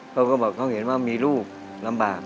เขาก็บอกเขาเห็นว่ามีลูกลำบาก